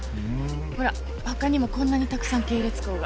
ほら他にもこんなにたくさん系列校が。